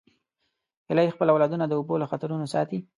هیلۍ خپل اولادونه د اوبو له خطرونو ساتي